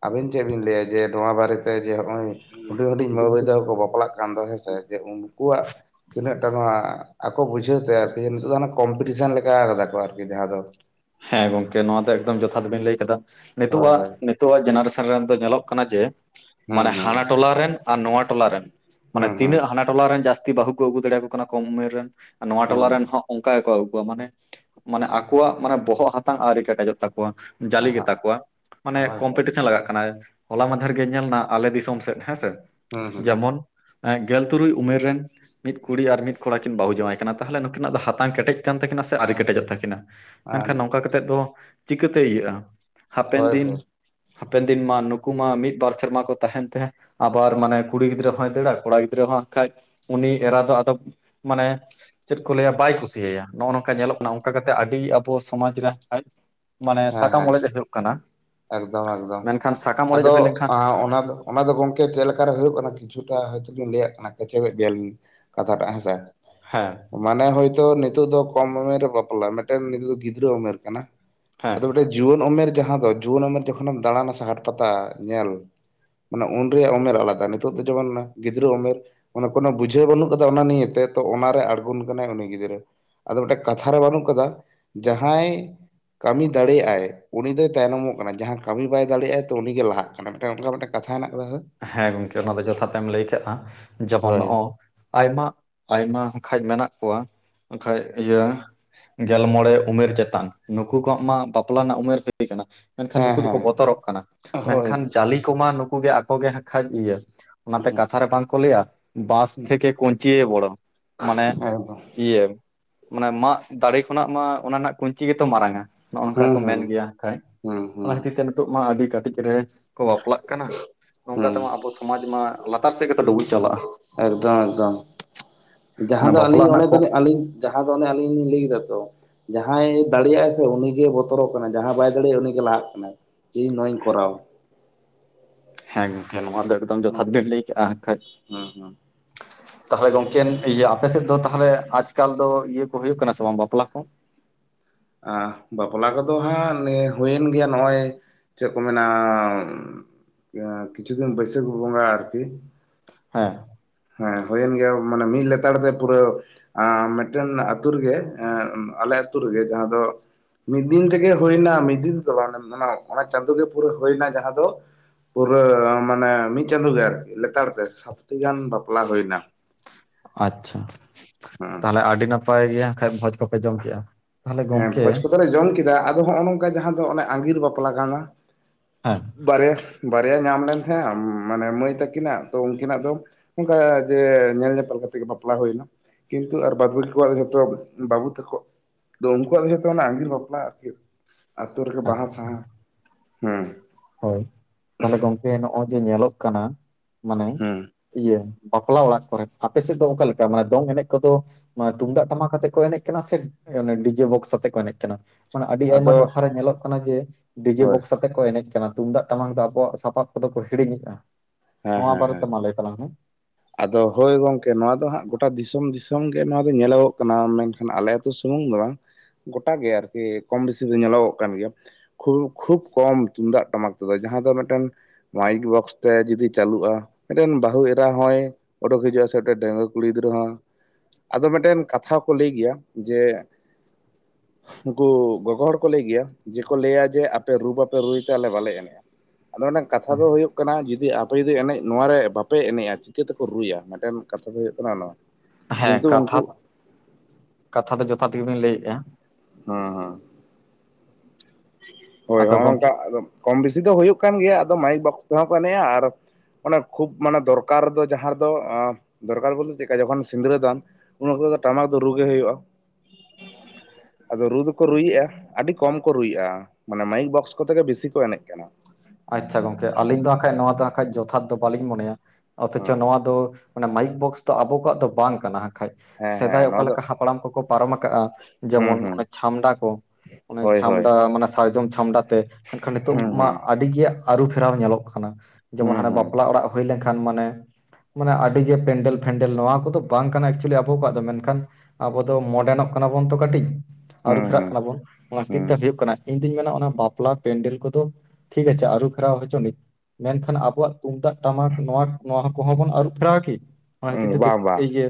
Speaker 1: ᱟᱵᱤᱱ ᱪᱮᱫ ᱵᱤᱱ ᱞᱟᱹᱭᱟ ᱡᱮ ᱱᱚᱣᱟ ᱵᱟᱨᱮ ᱛᱮ ᱡᱮ ᱦᱚᱸᱜ-ᱚᱸᱭ ᱦᱩᱰᱤᱧ ᱦᱩᱰᱤᱧ ᱵᱟᱹᱵᱩ ᱢᱟᱹᱭ ᱛᱟᱠᱚ ᱠᱚ ᱵᱟᱯᱞᱟᱜ ᱠᱟᱱ ᱫᱚ ᱦᱮᱸ ᱥᱮ, ᱡᱮ ᱩᱱᱠᱩᱣᱟᱜ ᱛᱤᱱᱟᱹᱜ ᱴᱟ ᱱᱚᱣᱟ ᱟᱠᱚ ᱵᱩᱡᱷᱟᱹᱣ ᱛᱮ ᱟᱨᱠᱤ, ᱱᱤᱛᱚᱜ ᱫᱚ ᱚᱱᱟ ᱠᱚᱢᱯᱤᱴᱤᱥᱟᱱ ᱞᱮᱠᱟ ᱠᱟᱫᱟ ᱠᱚ ᱟᱨᱠᱤ ᱡᱟᱦᱟᱸ ᱫᱚ᱾
Speaker 2: ᱦᱮᱸ ᱜᱚᱝᱠᱮ ᱱᱚᱣᱟ ᱫᱚ ᱮᱠᱫᱚᱢ ᱡᱚᱛᱷᱟᱛ ᱵᱤᱱ ᱞᱟᱹᱭ ᱠᱟᱫᱟ᱾
Speaker 1: ᱦᱳᱭ ᱦᱳᱭ
Speaker 2: ᱱᱤᱛᱚᱜ-ᱟᱜ ᱱᱤᱛᱚᱜ-ᱟᱜ ᱡᱮᱱᱟᱨᱮᱥᱟᱱ ᱨᱮᱱ ᱫᱚ ᱧᱮᱞᱚᱜ ᱠᱟᱱᱟ ᱡᱮ,
Speaker 1: ᱦᱩᱸ
Speaker 2: ᱢᱟᱱᱮ
Speaker 1: ᱦᱩᱸ
Speaker 2: ᱦᱟᱱᱟ ᱴᱚᱞᱟ ᱨᱮᱱ ᱟᱨ ᱱᱚᱣᱟ ᱴᱚᱞᱟ ᱨᱮᱱ, ᱢᱟᱱᱮ
Speaker 1: ᱦᱩᱸ ᱦᱩᱸ
Speaker 2: ᱛᱤᱱᱟᱹᱜ ᱦᱟᱱᱟ ᱴᱚᱞᱟ ᱨᱮᱱ ᱡᱟᱥᱛᱤ ᱵᱟᱦᱩ ᱠᱚ ᱟᱹᱜᱩ ᱫᱟᱲᱮᱭᱟᱠᱚ ᱠᱟᱱᱟ ᱠᱚᱢ ᱩᱢᱮᱨ ᱨᱮᱱ, ᱱᱚᱣᱟ ᱴᱚᱞᱟ
Speaker 1: ᱦᱩᱸ
Speaker 2: ᱨᱮᱱ ᱦᱚᱸ ᱚᱝᱠᱟ ᱜᱮᱠᱚ ᱟᱹᱜᱩ ᱠᱚᱣᱟ ᱢᱟᱱᱮ, ᱢᱟᱱᱮ ᱟᱠᱚᱣᱟᱜ ᱢᱟᱱᱮ ᱵᱚᱦᱚᱜ ᱦᱟᱛᱟᱝ ᱟᱹᱣᱨᱤ ᱠᱮᱴᱮᱡᱚᱜ ᱛᱟᱠᱚᱣᱟ ᱡᱟᱞᱤ ᱜᱮ ᱛᱟᱠᱚᱣᱟ, ᱢᱟᱱᱮ
Speaker 1: ᱦᱳᱭ ᱦᱳᱭ
Speaker 2: ᱠᱚᱢᱯᱤᱴᱤᱥᱮᱱ ᱞᱟᱜᱟᱜ ᱠᱟᱱᱟ᱾ ᱦᱚᱞᱟ ᱢᱟᱫᱷᱮᱨ ᱜᱮ ᱧᱮᱞᱱᱟ ᱟᱞᱮ ᱫᱤᱥᱚᱢ ᱥᱮᱫ ᱦᱮᱸ ᱥᱮ,
Speaker 1: ᱦᱩᱸ ᱦᱩᱸ
Speaker 2: ᱡᱮᱢᱚᱱ ᱮᱸ ᱜᱮᱞ ᱛᱩᱨᱩᱭ ᱩᱢᱮᱨ ᱨᱮᱱ ᱢᱤᱫ ᱠᱩᱲᱤ ᱟᱨ ᱢᱤᱫ ᱠᱚᱲᱟ ᱠᱤᱱ ᱵᱟᱦᱩ ᱡᱟᱶᱟᱭ ᱠᱟᱱᱟ ᱛᱟᱦᱚᱞᱮ ᱱᱩᱠᱤᱱᱟᱜ ᱫᱚ ᱦᱟᱛᱟᱝ ᱠᱮᱴᱮᱡ ᱠᱟᱱ ᱛᱟᱠᱤᱱᱟ ᱥᱮ ᱟᱹᱣᱨᱤ ᱠᱮᱴᱮᱡᱚᱜ ᱛᱟᱠᱤᱱᱟ᱾ ᱢᱮᱱᱠᱷᱟᱱ ᱱᱚᱝᱠᱟ ᱠᱟᱛᱮᱫ ᱫᱚ ᱪᱤᱠᱟᱹᱛᱮ ᱤᱭᱟᱹᱜ-ᱟ, ᱦᱟᱯᱮᱱ
Speaker 1: ᱦᱳᱭ
Speaker 2: ᱫᱤᱱ
Speaker 1: ᱦᱳᱭ
Speaker 2: ᱦᱟᱯᱮᱱ ᱫᱤᱱ ᱢᱟ ᱱᱩᱠᱩ ᱢᱟ ᱢᱤᱫ ᱵᱟᱨ ᱥᱮᱨᱢᱟ ᱠᱚ ᱛᱟᱦᱮᱸᱱ ᱛᱮ ᱟᱵᱟᱨ ᱢᱟᱱᱮ ᱠᱩᱲᱤ ᱜᱤᱫᱽᱨᱟᱹ ᱦᱚᱸᱭ ᱫᱟᱹᱲᱟ, ᱠᱚᱲᱟ ᱜᱤᱫᱽᱨᱟᱹ ᱦᱚᱸ ᱦᱟᱸᱜ ᱠᱷᱟᱡ, ᱩᱱᱤ ᱮᱨᱟ ᱫᱚ ᱟᱫᱚ ᱢᱟᱱᱮ ᱪᱮᱫ ᱠᱚ ᱞᱟᱹᱭᱟ ᱵᱟᱭ ᱠᱩᱥᱤᱭᱟᱭᱟ, ᱱᱚᱜ-ᱚ ᱱᱚᱝᱠᱟ ᱧᱮᱞᱚᱜ ᱠᱟᱱᱟ ᱚᱝᱠᱟ ᱠᱟᱛᱮ ᱟᱹᱰᱤ ᱚᱯ [unintelligible] ᱥᱚᱢᱟᱡ ᱨᱮ ᱦᱟᱸᱜ ᱠᱷᱟᱡ, ᱢᱟᱱᱮ
Speaker 1: ᱦᱮᱸ
Speaker 2: ᱥᱟᱠᱟᱢ
Speaker 1: ᱦᱮᱸ
Speaker 2: ᱚᱲᱮᱡ ᱦᱳᱭᱳᱜ ᱠᱟᱱᱟ᱾
Speaker 1: ᱮᱠᱫᱚᱢ ᱮᱠᱫᱚᱢ
Speaker 2: ᱢᱮᱱᱠᱷᱟᱱ ᱥᱟᱠᱟᱢ ᱚᱲᱮᱡ
Speaker 1: ᱟᱫᱚ
Speaker 2: ᱦᱩᱭ ᱞᱮᱱᱠᱷᱟᱱ
Speaker 1: ᱟᱸ ᱚᱱᱟ ᱫᱚ ᱚᱱᱟ ᱫᱚ ᱜᱚᱝᱠᱮ ᱪᱮᱫ ᱞᱮᱠᱟ ᱨᱮ ᱦᱩᱭᱩᱜ ᱠᱟᱱᱟ ᱠᱤᱪᱷᱩᱴᱟ ᱦᱚᱭᱛᱳ ᱞᱤᱧ ᱞᱟᱹᱭᱟᱜ ᱠᱟᱱᱟ, ᱠᱮᱪᱮᱫᱮᱜ ᱵᱮᱭᱟᱞᱤᱧ᱾ ᱠᱟᱛᱷᱟ ᱴᱟᱜ ᱦᱮᱸ ᱥᱮ᱾
Speaker 2: ᱦᱮᱸ
Speaker 1: ᱢᱟᱱᱮ ᱦᱚᱭᱛᱳ ᱱᱤᱛᱚᱜ ᱫᱚ ᱠᱚᱢ ᱩᱢᱮᱨ ᱨᱮ ᱵᱟᱯᱞᱟ ᱢᱤᱫᱴᱮᱱ ᱱᱤᱛᱳᱜ ᱫᱚ ᱜᱤᱫᱽᱨᱟᱹ ᱩᱢᱮᱨ ᱠᱟᱱᱟ᱾
Speaker 2: ᱦᱮᱸ᱾
Speaker 1: [unintelligible] ᱡᱩᱣᱟᱹᱱ ᱩᱢᱮᱨ ᱡᱟᱦᱟᱸ ᱫᱚ ᱡᱩᱣᱟᱹᱱ ᱩᱢᱮᱨ ᱡᱚᱠᱷᱚᱱᱮᱢ ᱫᱟᱬᱟᱱᱟ ᱥᱮ ᱦᱟᱴ ᱯᱟᱛᱟ ᱧᱮᱞ, ᱢᱟᱱᱮ ᱩᱱ ᱨᱮᱭᱟᱜ ᱩᱢᱮᱨ ᱟᱞᱟᱫᱟ ᱱᱤᱛᱚᱜ ᱫᱚ ᱡᱮᱢᱚᱱ ᱜᱤᱫᱽᱨᱟᱹ ᱩᱢᱮᱨ, ᱢᱚᱱᱮ ᱠᱳᱱᱳ ᱵᱩᱡᱷᱟᱹᱣ ᱵᱟᱹᱱᱩᱜ ᱠᱟᱫᱟ ᱚᱱᱟ ᱱᱤᱭᱮᱛᱮ, ᱛᱚ ᱚᱱᱟ ᱨᱮ ᱟᱬᱜᱳᱱ ᱠᱟᱱᱟᱭ ᱩᱱᱤ ᱜᱤᱫᱟᱹᱨᱟᱹ᱾ ᱟᱫᱚ ᱢᱤᱫᱴᱮᱡ ᱠᱟᱛᱷᱟ ᱨᱮ ᱵᱟᱹᱱᱩᱜ ᱠᱟᱫᱟ, ᱡᱟᱦᱟᱸᱭ ᱠᱟᱢᱤ ᱫᱟᱲᱮᱭᱟᱜ-ᱟᱭ ᱩᱱᱤ ᱫᱚᱭ ᱛᱟᱭᱱᱚᱢᱚᱜ ᱠᱟᱱᱟᱭ ᱡᱟᱦᱟᱸᱭ ᱠᱟᱢᱤ ᱵᱟᱭ ᱫᱟᱲᱮᱜ-ᱟᱭ ᱛᱚ ᱩᱱᱤ ᱜᱮ ᱞᱟᱦᱟᱜ ᱠᱟᱱᱟ, ᱢᱤᱫᱴᱟᱝ ᱚᱝᱠᱟᱱᱟᱜ ᱢᱤᱫᱴᱟᱝ ᱠᱟᱛᱷᱟ ᱢᱮᱱᱟᱜ ᱟᱠᱟᱫᱟ ᱥᱮ?
Speaker 2: ᱦᱮᱸ ᱜᱚᱝᱠᱮ ᱱᱚᱣᱟ ᱫᱚ ᱡᱚᱛᱷᱟᱛᱮᱢ ᱞᱟᱹᱭ ᱠᱟᱜ-ᱟ, ᱡᱮᱢᱚᱱ
Speaker 1: ᱦᱳᱭ
Speaker 2: ᱱᱚᱜ-ᱚ ᱟᱭᱢᱟ, ᱟᱭᱢᱟ ᱦᱚᱸ ᱠᱷᱟᱡ ᱢᱮᱱᱟᱜ ᱠᱚᱣᱟ ᱵᱟᱠᱷᱟᱡ ᱤᱭᱟᱹ ᱜᱮᱞ ᱢᱚᱬᱮ ᱩᱢᱮᱨ ᱪᱮᱛᱟᱱ ᱱᱩᱠᱩ ᱠᱚᱣᱟᱜ ᱢᱟ ᱵᱟᱯᱞᱟ ᱨᱮᱱᱟᱜ ᱩᱢᱮᱨ ᱦᱩᱭ ᱠᱟᱱᱟ, ᱢᱮᱱᱠᱷᱟᱱ
Speaker 1: ᱦᱮᱸ
Speaker 2: ᱱᱩᱠᱩ ᱫᱚᱠᱚ
Speaker 1: ᱦᱮᱸ
Speaker 2: ᱵᱚᱛᱚᱨᱚᱜ ᱠᱟᱱᱟ,
Speaker 1: ᱦᱳᱭ
Speaker 2: ᱢᱮᱱᱠᱷᱟᱱ ᱡᱟᱞᱤ ᱠᱚᱢᱟ ᱱᱩᱠᱩ ᱜᱮ ᱟᱠᱚ ᱜᱮ ᱦᱟᱸᱜ ᱠᱷᱟᱡ ᱤᱭᱟᱹ, ᱚᱱᱟᱛᱮ ᱠᱟᱛᱷᱟ ᱨᱮ ᱵᱟᱝ ᱠᱚ ᱞᱟᱹᱭᱟ, ᱵᱟᱥ ᱛᱷᱮᱠᱮ ᱠᱩᱧᱪᱤᱭᱮ ᱵᱚᱲᱚ, ᱢᱟᱱᱮ
Speaker 1: ᱮᱠᱫᱚᱢ
Speaker 2: ᱤᱭᱟᱹ, ᱢᱟᱱᱮ ᱢᱟᱜ ᱫᱟᱲᱮ ᱠᱷᱚᱱᱟᱜ ᱢᱟ ᱚᱱᱟ ᱨᱮᱱᱟᱜ ᱠᱩᱧᱪᱤ ᱜᱮᱛᱚ ᱢᱟᱨᱟᱝᱟ᱾ ᱱᱚᱜ-ᱚ ᱱᱚᱝᱠᱟ
Speaker 1: ᱦᱩᱸ
Speaker 2: ᱠᱚ
Speaker 1: ᱦᱩᱸ
Speaker 2: ᱢᱮᱱ ᱜᱮᱭᱟ ᱠᱷᱟᱡ,
Speaker 1: ᱦᱩᱸ ᱦᱩᱸ
Speaker 2: ᱚᱱᱟ
Speaker 1: ᱦᱩᱸ
Speaker 2: ᱠᱷᱟᱹᱛᱤᱨ ᱛᱮ ᱱᱤᱛᱚᱜ ᱢᱟ ᱟᱹᱰᱤ ᱠᱟᱹᱴᱤᱡ ᱨᱮ ᱠᱚ ᱵᱟᱯᱞᱟᱜ ᱠᱟᱱᱟ᱾ ᱱᱚᱝᱠᱟ
Speaker 1: ᱦᱩᱸ
Speaker 2: ᱛᱮᱢᱟ ᱟᱵᱚ ᱥᱚᱢᱟᱡᱽᱢᱟ ᱞᱟᱛᱟᱨ ᱥᱮᱜ ᱜᱮᱛᱚ ᱰᱩᱵᱩᱡ ᱪᱟᱞᱟᱜ-ᱟ᱾
Speaker 1: ᱮᱠᱫᱚᱢ ᱮᱠᱫᱚᱢ᱾
Speaker 2: ᱚᱱᱟ
Speaker 1: ᱡᱟᱦᱟᱸ ᱫᱚ ᱟᱹᱞᱤᱧ
Speaker 2: ᱵᱟᱯᱞᱟ ᱨᱮᱱᱟᱜ
Speaker 1: ᱚᱱᱮ ᱫᱚᱞᱤᱧ
Speaker 2: ᱠᱚ
Speaker 1: ᱟᱹᱞᱤᱧ ᱡᱟᱦᱟᱸ, ᱫᱚ ᱚᱱᱮ ᱟᱹᱞᱤᱧ ᱞᱤᱧ ᱞᱟᱹᱭ ᱠᱮᱫᱟ ᱛᱚ᱾ ᱡᱟᱦᱟᱸᱭ ᱫᱟᱲᱮᱭᱟᱜ-ᱟᱭ ᱥᱮ ᱩᱱᱤ ᱜᱮ ᱵᱚᱛᱚᱨᱚᱜ ᱠᱟᱱᱟ, ᱡᱟᱦᱟᱸᱭ ᱵᱟᱭ ᱫᱟᱲᱮᱭᱟᱜ-ᱟ ᱩᱱᱤᱜᱮ ᱞᱟᱦᱟᱜ ᱠᱟᱱᱟᱭ᱾ ᱤᱧ ᱱᱚᱣᱟᱧ ᱠᱚᱨᱟᱣᱟ᱾
Speaker 2: ᱦᱮᱸ ᱜᱚᱝᱠᱮ ᱱᱚᱣᱟ ᱫᱚ ᱮᱠᱫᱚᱢ
Speaker 1: ᱦᱩᱸ
Speaker 2: ᱡᱚᱛᱷᱟᱛ ᱵᱮᱱ ᱞᱟᱹᱭ ᱠᱟᱜ-ᱟ ᱦᱟᱸᱜ ᱠᱷᱟᱡ᱾
Speaker 1: ᱦᱩᱸ
Speaker 2: ᱛᱟᱦᱚᱞᱮ ᱜᱚᱝᱠᱮᱱ ᱤᱭᱟᱹ ᱟᱯᱮ ᱥᱮᱫ ᱫᱚ ᱛᱟᱦᱚᱞᱮ ᱟᱡ ᱠᱟᱞ ᱫᱚ ᱤᱭᱟᱹ ᱠᱚ ᱦᱩᱭᱩᱜ ᱠᱟᱱᱟ ᱥᱮ ᱵᱟᱝ ᱵᱟᱯᱞᱟ ᱠᱚ?
Speaker 1: ᱮᱸ, ᱵᱟᱯᱞᱟ ᱠᱚᱫᱚ ᱦᱟᱸᱜ ᱱᱤᱭᱟᱹ ᱦᱩᱭᱮᱱ ᱜᱮᱭᱟ ᱱᱚᱜ-ᱚᱭ ᱪᱮᱜ ᱠᱚ ᱢᱮᱱᱟ, ᱮᱸ ᱠᱤᱪᱷᱩ ᱫᱤᱱ ᱵᱟᱹᱭᱥᱟᱹᱠᱷ ᱵᱚᱸᱜᱟ ᱟᱨᱠᱤ,
Speaker 2: ᱦᱮᱸ᱾
Speaker 1: ᱦᱮᱸ ᱦᱩᱭᱮᱱ ᱜᱮᱭᱟ ᱢᱟᱱᱮ ᱢᱤᱜ ᱞᱮᱛᱟᱲ ᱛᱮ ᱯᱩᱨᱟᱹ ᱟ ᱢᱮᱜᱴᱮᱱ ᱟᱹᱛᱩ ᱨᱮᱜᱮ, ᱮᱸᱜ ᱟᱞᱮ ᱟᱹᱛᱩ ᱨᱮᱜᱮ ᱡᱟᱦᱟᱸ ᱫᱚ ᱢᱤᱫ ᱫᱤᱱ ᱛᱮᱜᱮ ᱦᱩᱭᱱᱟ, ᱢᱤᱫ ᱫᱤᱱ ᱛᱮᱫᱚ ᱵᱟᱝ ᱚᱱᱟ ᱚᱱᱟ ᱪᱟᱸᱫᱳ ᱜᱮ ᱯᱩᱨᱟᱹ ᱦᱳᱭᱱᱟ ᱡᱟᱦᱟᱸ ᱫᱚ ᱯᱩᱨᱟᱹ ᱢᱟᱱᱮ ᱢᱤᱜ ᱪᱟᱸᱫᱳ ᱜᱮ ᱟᱨᱠᱤ ᱞᱮᱛᱟᱲ ᱛᱮ ᱥᱟᱛᱴᱤ ᱜᱟᱱ ᱵᱟᱯᱞᱟ ᱦᱩᱭᱱᱟ᱾
Speaker 2: ᱟᱪᱪᱷᱟ,
Speaker 1: ᱦᱮᱸ
Speaker 2: ᱛᱟᱦᱞᱮ ᱟᱹᱰᱤ ᱱᱟᱯᱟᱭ ᱜᱮ ᱦᱟᱸᱜ ᱠᱷᱟᱡ ᱵᱷᱚᱡᱽ ᱠᱚᱯᱮ ᱡᱚᱢ ᱠᱮᱜ-ᱟ᱾
Speaker 1: ᱦᱮᱸ ᱵᱷᱚᱡᱽ ᱠᱚᱫᱚᱞᱮ ᱡᱚᱢ ᱠᱮᱫᱟ ᱟᱫᱚ ᱱᱚᱜᱼᱚ ᱱᱚᱝᱠᱟ ᱡᱟᱦᱟᱸ ᱫᱚ ᱚᱱᱮ ᱟᱸᱜᱤᱨ ᱵᱟᱯᱞᱟ ᱠᱟᱱᱟ᱾
Speaker 2: ᱦᱮᱸ
Speaker 1: ᱵᱟᱨᱭᱟ, ᱵᱟᱨᱭᱟ ᱧᱟᱢ ᱞᱮᱱ ᱛᱟᱦᱮᱸᱜ ᱢᱟᱱᱮ ᱢᱟᱹᱭ ᱛᱟᱹᱠᱤᱱᱟᱜ ᱛᱚ, ᱩᱝᱠᱤᱱᱟᱜ ᱫᱚ ᱚᱝᱠᱟ ᱡᱮ ᱧᱮᱞ ᱧᱮᱯᱮᱞ ᱠᱟᱛᱮᱜ ᱜᱮ ᱵᱟᱯᱞᱟ ᱦᱩᱭᱱᱟ᱾ ᱠᱤᱱᱛᱩ ᱟᱨ ᱵᱟᱫ ᱵᱟᱹᱠᱤ ᱠᱚᱣᱟᱜ ᱫᱚ ᱡᱷᱚᱛᱚ ᱵᱟᱹᱵᱩ ᱛᱟᱠᱚ ᱟᱫᱚ ᱩᱝᱠᱩᱣᱟᱜ ᱫᱚ ᱡᱷᱚᱛᱚ ᱚᱱᱟ ᱟᱹᱝᱜᱤᱨ ᱵᱟᱯᱞᱟ ᱟᱨᱠᱤ ᱟᱛᱩ ᱨᱮᱜᱮ ᱵᱟᱦᱟ
Speaker 2: ᱟᱪᱪᱷᱟ
Speaker 1: ᱥᱟᱶᱦᱟ ᱦᱩᱸ᱾
Speaker 2: ᱦᱳᱭ ᱛᱟᱦᱞᱮ ᱜᱚᱝᱠᱮ ᱱᱚᱜ-ᱚᱭ ᱡᱮ ᱧᱮᱞᱚᱜ ᱠᱟᱱᱟ ᱢᱟᱱᱮ
Speaker 1: ᱦᱩᱸ
Speaker 2: ᱤᱭᱟᱹ ᱵᱟᱯᱞᱟ ᱚᱲᱟᱜ ᱠᱚᱨᱮ, ᱟᱯᱮ ᱥᱮᱫ ᱫᱚ ᱚᱠᱟ ᱞᱮᱠᱟ ᱢᱟᱱᱮ ᱫᱚᱝ ᱮᱱᱮᱡ ᱠᱚ ᱫᱚ ᱢᱟᱱᱮ ᱛᱩᱢᱫᱟᱜ ᱴᱟᱢᱟᱠ ᱟᱛᱮᱜ ᱠᱚ ᱮᱱᱮᱡ ᱠᱟᱱᱟ ᱥᱮ ᱚᱱᱮ ᱰᱤᱡᱮ ᱵᱚᱠᱥ ᱟᱛᱮᱜ ᱠᱚ ᱮᱱᱮᱡ ᱠᱟᱱᱟ? ᱢᱟᱱᱮ ᱟᱹᱰᱤ ᱟᱭᱢᱟ
Speaker 1: ᱟᱫᱚ
Speaker 2: ᱴᱚᱴᱷᱟᱨᱮ ᱧᱮᱞᱚᱜ ᱠᱟᱱᱟ ᱡᱮ ᱰᱤᱡᱮ
Speaker 1: ᱦᱳᱭ
Speaker 2: ᱵᱚᱠᱥ ᱟᱛᱮᱜ ᱠᱚ ᱮᱱᱮᱡ ᱠᱟᱱᱟ᱾ ᱛᱩᱢᱫᱟᱜ ᱴᱟᱢᱟᱠ ᱫᱚ ᱟᱵᱚᱣᱟᱜ ᱥᱟᱯᱟᱵ ᱠᱚᱫᱚ ᱠᱚ ᱦᱤᱲᱤᱧᱮᱜ-ᱟ,
Speaker 1: ᱦᱮᱸ
Speaker 2: ᱱᱚᱣᱟ
Speaker 1: ᱦᱮᱸ ᱦᱮᱸ
Speaker 2: ᱵᱟᱨᱮ ᱛᱮ ᱢᱟ ᱞᱮᱭ ᱛᱟᱞᱟᱝ ᱢᱮ᱾
Speaker 1: ᱟᱫᱚ ᱦᱳᱭ ᱜᱚᱝᱠᱮ ᱱᱚᱣᱟ ᱫᱚ ᱦᱟᱸᱜ ᱜᱚᱴᱟ ᱫᱤᱥᱚᱢ ᱫᱤᱥᱚᱢ ᱜᱮ ᱱᱚᱣᱟ ᱫᱚ ᱧᱮᱞᱚᱜᱚᱜ ᱠᱟᱱᱟ ᱚᱱᱮ ᱠᱷᱟᱱ ᱟᱞᱮ ᱟᱹᱛᱩ ᱥᱩᱢᱩᱝ ᱫᱚ ᱵᱟᱝ ᱜᱚᱴᱟ ᱜᱮ ᱟᱨᱠᱤ ᱠᱚᱢ ᱵᱤᱥᱤ ᱫᱚ ᱧᱮᱞᱚᱜᱚᱜ ᱠᱟᱱ ᱜᱮᱭᱟ᱾ ᱠᱷᱩ, ᱠᱷᱩᱵ ᱠᱚᱢ ᱛᱩᱢᱫᱟᱜ ᱴᱟᱢᱟᱠ ᱛᱮᱫᱚ᱾ ᱡᱟᱦᱟᱸ ᱫᱚ ᱢᱮᱫᱴᱮᱱ ᱢᱟᱭᱤᱠ ᱵᱚᱠᱥ ᱛᱮ ᱡᱩᱫᱤ ᱪᱟᱞᱩᱜ-ᱟ ᱢᱮᱫᱴᱮᱱ ᱵᱟᱹᱦᱩ ᱮᱨᱟ ᱦᱚᱸᱭ ᱚᱰᱚᱠ ᱦᱤᱡᱩᱜ-ᱟ ᱥᱮ ᱢᱮᱜᱴᱟ ᱰᱟᱺᱜᱩᱣᱟᱹ ᱠᱩᱲᱤ ᱜᱤᱫᱽᱨᱟᱹ ᱦᱚᱸ᱾ ᱟᱫᱚ ᱢᱮᱫᱴᱮᱱ ᱠᱟᱛᱷᱟ ᱠᱚ ᱞᱟᱹᱭ ᱜᱮᱭᱟ ᱡᱮ ᱱᱩᱠᱩ ᱜᱚᱜᱚ ᱦᱚᱲᱠᱚ ᱞᱟᱹᱭ ᱜᱮᱭᱟ, ᱡᱮᱠᱚ ᱞᱮᱭᱟ ᱡᱮ ᱟᱯᱮ ᱨᱩ ᱵᱟᱯᱮ ᱨᱩᱭᱛᱮ ᱟᱞᱮ ᱵᱟᱞᱮ ᱮᱱᱮᱡ-ᱟ᱾ ᱟᱫᱚ ᱚᱱᱮ ᱠᱟᱛᱷᱟ ᱫᱚ ᱦᱩᱭᱩᱜ ᱠᱟᱱᱟ ᱡᱩᱫᱤ ᱟᱯᱮ ᱡᱩᱫᱤ ᱮᱱᱮᱡ ᱱᱚᱣᱟᱨᱮ ᱵᱟᱯᱮ ᱮᱱᱮᱡ-ᱟ ᱟᱨ ᱪᱮᱫ᱾ ᱪᱤᱠᱟᱹ ᱛᱮᱠᱚ ᱨᱩᱭᱟ ᱢᱮᱫᱴᱮᱱ ᱠᱟᱛᱷᱟ ᱫᱚ ᱦᱩᱭᱩᱜ ᱠᱟᱱᱟ ᱱᱚᱣᱟ᱾
Speaker 2: ᱦᱮᱸ
Speaker 1: ᱠᱤᱱᱛᱩ ᱩᱱᱠᱩ
Speaker 2: ᱠᱟᱛᱷᱟ, ᱠᱟᱛᱷᱟ ᱫᱚ ᱡᱚᱛᱷᱟ ᱫᱚ ᱜᱮᱵᱤᱱ ᱞᱮᱭᱮᱜ-ᱟ᱾
Speaker 1: ᱦᱚᱸ ᱦᱚᱸ᱾ ᱦᱳᱭ
Speaker 2: ᱟᱫᱚ ᱜᱚᱢᱠᱮ
Speaker 1: ᱦᱚᱸᱜ-ᱚᱝᱠᱟ ᱟᱫᱚ ᱠᱚᱢ ᱵᱮᱥᱤ ᱫᱚ ᱦᱩᱭᱩᱜ ᱠᱟᱱ ᱜᱮᱭᱟ ᱟᱫᱚ ᱢᱟᱭᱤᱠ ᱵᱚᱠᱥ ᱛᱮᱦᱚᱸ ᱠᱚ ᱮᱱᱮᱡ-ᱟ ᱟᱨ ᱚᱱᱮ ᱠᱷᱩᱵ ᱢᱟᱱᱮ ᱫᱚᱨᱠᱟᱨ ᱫᱚ ᱡᱟᱦᱟᱸ ᱨᱮᱫᱚ ᱫᱚᱨᱠᱟᱨ ᱵᱚᱞᱛᱮ ᱪᱮᱜᱠᱟ ᱡᱚᱠᱷᱚᱱ ᱥᱤᱸᱫᱨᱟᱹᱫᱟᱱ ᱩᱱ ᱚᱠᱛᱚ ᱫᱚ ᱴᱟᱢᱟᱠ ᱫᱚ ᱨᱩᱜᱮ ᱦᱩᱭᱩᱜ-ᱟ᱾ ᱟᱫᱚ ᱨᱩ ᱫᱚᱠᱚ ᱨᱩᱭᱮᱜ-ᱟ, ᱟᱹᱰᱤ ᱠᱚᱢ ᱠᱚ ᱨᱩᱭᱮᱜ-ᱟ᱾ ᱢᱟᱱᱮ ᱢᱟᱭᱤᱠ ᱵᱚᱠᱥ ᱠᱚᱛᱮ ᱜᱮ ᱵᱤᱥᱤ ᱠᱚ ᱮᱱᱮᱡ ᱠᱟᱱᱟ᱾
Speaker 2: ᱟᱪᱪᱷᱟ ᱜᱚᱝᱠᱮ ᱟᱹᱞᱤᱧ ᱫᱚ ᱦᱟᱸᱜ ᱠᱷᱟᱡ ᱱᱚᱣᱟ ᱫᱚ ᱦᱟᱸᱜ ᱠᱷᱟᱡ ᱡᱚᱛᱷᱟᱛ ᱫᱚ ᱵᱟᱹᱞᱤᱧ ᱢᱚᱱᱮᱭᱟ᱾ ᱚᱛᱷᱚᱪᱚ
Speaker 1: ᱦᱮᱸ
Speaker 2: ᱱᱚᱣᱟ ᱫᱚ ᱢᱟᱱᱮ ᱢᱟᱭᱤᱠ ᱵᱚᱠᱥ ᱫᱚ ᱟᱵᱚ ᱠᱚᱣᱟᱜ ᱫᱚ ᱵᱟᱝ ᱠᱟᱱᱟ ᱦᱟᱸᱜ ᱠᱷᱟᱡ᱾
Speaker 1: ᱦᱮᱸ ᱦᱮᱸ
Speaker 2: ᱥᱮᱫᱟᱭ ᱚᱠᱟ
Speaker 1: ᱱᱚᱣᱟ ᱫᱚ
Speaker 2: ᱞᱮᱠᱟ ᱦᱟᱯᱲᱟᱢ ᱠᱚᱠᱚ ᱯᱟᱨᱚᱢ ᱟᱠᱟᱜ-ᱟ
Speaker 1: ᱦᱩᱸ
Speaker 2: ᱡᱮᱢᱚᱱ
Speaker 1: ᱦᱩᱸ
Speaker 2: ᱚᱱᱟ ᱪᱷᱟᱢᱰᱟ ᱠᱚ᱾ ᱚᱱᱮ
Speaker 1: ᱦᱳᱭ ᱦᱳᱭ
Speaker 2: ᱪᱷᱟᱢᱰᱟ ᱢᱟᱱᱮ ᱥᱟᱨᱡᱚᱢ ᱪᱷᱟᱢᱰᱟ ᱛᱮ ᱢᱮᱱᱠᱷᱟᱱ ᱱᱮᱛᱳᱜ
Speaker 1: ᱦᱩᱸ
Speaker 2: ᱢᱟ
Speaker 1: ᱦᱩᱸ
Speaker 2: ᱟᱹᱰᱤ ᱜᱮ ᱟᱹᱨᱩ ᱯᱷᱮᱨᱟᱣ ᱧᱮᱞᱚᱜ ᱠᱟᱱᱟ᱾ ᱡᱮᱢᱚᱱ
Speaker 1: ᱦᱩᱸ
Speaker 2: ᱦᱟᱱᱮ
Speaker 1: ᱦᱩᱸ
Speaker 2: ᱵᱟᱯᱞᱟ ᱚᱲᱟᱜ ᱦᱩᱭ ᱞᱮᱱᱠᱷᱟᱱ ᱢᱟᱱᱮ ᱢᱟᱱᱮ ᱟᱹᱰᱤ ᱡᱮ ᱯᱮᱱᱰᱮᱞ ᱯᱷᱮᱱᱰᱮᱞ ᱱᱚᱣᱟ ᱠᱚᱫᱚ ᱵᱟᱝ ᱠᱟᱱᱟ ᱮᱠᱪᱩᱭᱮᱞᱤ ᱟᱵᱚ ᱠᱚᱣᱟᱜ ᱫᱚ, ᱢᱮᱱᱠᱷᱟᱱ ᱟᱵᱚ ᱫᱚ ᱢᱚᱰᱮᱱᱚᱜ ᱠᱟᱱᱟ ᱵᱚᱱ ᱛᱚ ᱠᱟᱹᱴᱤᱡ᱾ ᱟᱹᱨᱩ
Speaker 1: ᱦᱩᱸ
Speaker 2: ᱯᱷᱮᱨᱟᱜ
Speaker 1: ᱦᱩᱸ
Speaker 2: ᱠᱟᱱᱟ ᱵᱚᱱ ᱚᱱᱟ ᱠᱷᱟᱹᱛᱤᱨ
Speaker 1: ᱦᱩᱸ
Speaker 2: ᱛᱮ ᱦᱩᱭᱩᱜ ᱠᱟᱱᱟ᱾ ᱤᱧ ᱫᱩᱧ ᱢᱮᱱᱟ ᱚᱱᱟ ᱵᱟᱯᱞᱟ ᱯᱮᱱᱰᱮᱞ ᱠᱚᱫᱚ ᱴᱷᱤᱠ ᱟᱪᱷᱮ ᱟᱹᱨᱩ ᱯᱷᱮᱨᱟᱣ ᱦᱚᱪᱚ ᱱᱤᱡ᱾ ᱢᱮᱱᱠᱷᱟᱱ ᱟᱵᱚᱣᱟᱜ ᱛᱩᱢᱫᱟᱜ ᱴᱟᱢᱟᱠ ᱱᱚᱣᱟ, ᱱᱚᱣᱟ ᱠᱚᱦᱚᱸ ᱵᱚᱱ ᱟᱹᱨᱩ ᱯᱷᱮᱨᱟᱣᱟ ᱠᱤ? ᱚᱱᱟ
Speaker 1: ᱦᱩᱸ
Speaker 2: ᱠᱷᱟᱹᱛᱤᱨ ᱛᱮ ᱫᱮᱠ
Speaker 1: ᱵᱟᱝ ᱵᱟᱝ
Speaker 2: ᱤᱭᱟᱹ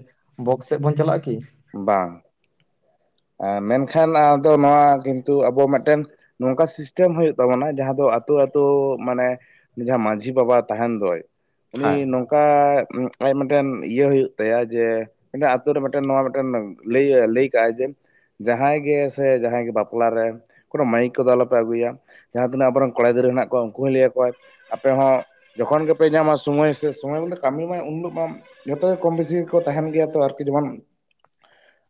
Speaker 2: ᱵᱚᱠᱥ ᱥᱮᱜ ᱵᱚᱱ ᱪᱟᱞᱟᱜ-ᱟ ᱠᱤ?
Speaker 1: ᱵᱟᱝ᱾ ᱟ, ᱢᱮᱱᱠᱷᱟᱱ ᱟᱫᱚ ᱱᱚᱣᱟ ᱠᱤᱱᱛᱩ ᱟᱵᱚᱣᱟᱜ ᱢᱮᱜᱴᱮᱱ ᱱᱚᱝᱠᱟ ᱥᱤᱥᱴᱮᱢ ᱦᱳᱭᱳᱜ ᱛᱟᱵᱚᱱᱟ ᱡᱟᱦᱟᱸ ᱫᱚ ᱟᱹᱛᱳ ᱟᱹᱛᱳ ᱢᱟᱱᱮᱼᱼ ᱡᱟᱦᱟᱸ ᱢᱟᱹᱡᱷᱤ ᱵᱟᱵᱟ ᱛᱟᱦᱮᱱ ᱫᱚᱭ ᱩᱱᱤ
Speaker 2: ᱦᱮᱸ
Speaker 1: ᱱᱚ ᱠᱟ ᱟᱡ ᱢᱮᱜᱴᱮᱱ ᱤᱭᱟᱹ ᱦᱩᱭᱩᱜ ᱛᱟᱭᱟ ᱡᱮᱼᱼ ᱢᱤᱫᱴᱮᱱ ᱟᱹᱛᱳ ᱨᱮ ᱢᱤᱫᱴᱮᱱ ᱱᱚᱣᱟ ᱢᱤᱫᱴᱮᱱ ᱞᱮᱭ ᱞᱮᱭ ᱠᱟᱜᱼᱟᱭ ᱡᱮᱼᱼ ᱡᱟᱦᱟᱸᱭ ᱜᱮ ᱥᱮ ᱡᱟᱦᱟᱸᱭ ᱜᱮ ᱵᱟᱯᱞᱟ ᱨᱮ ᱠᱳᱱᱳ ᱢᱟᱹᱭᱤᱠ ᱠᱚᱫᱚ ᱟᱞᱚᱯᱮ ᱟᱹᱜᱩᱭᱟ᱾ ᱡᱟᱦᱟᱸ ᱛᱤᱱᱟᱹᱜ ᱟᱵᱚᱨᱮᱱ ᱠᱚᱲᱟ ᱜᱤᱫᱽᱨᱟᱹ ᱢᱮᱱᱟᱜ ᱠᱚᱣᱟ ᱩᱱᱠᱩ ᱦᱚᱸᱭ ᱞᱟᱹᱭ ᱟᱠᱚᱣᱟᱼᱼ ᱟᱯᱮ ᱦᱚᱸ ᱡᱚ ᱠᱷᱚᱱ ᱜᱮᱯᱮ ᱧᱟᱢᱟ ᱥᱚᱢᱚᱭ ᱥᱮ ᱥᱚᱢᱚᱭ ᱵᱚᱞᱛᱮ ᱠᱟᱹᱢᱤ ᱢᱟᱭ ᱩᱱᱦᱤᱞᱳᱜ ᱢᱟᱼᱼ ᱡᱚᱛᱚ ᱠᱚᱢ ᱵᱮᱥᱤ ᱜᱮᱠᱚ ᱛᱟᱦᱮᱱ ᱜᱮᱭᱟ ᱛᱚ ᱟᱨᱠᱤ ᱡᱮᱢᱚᱱ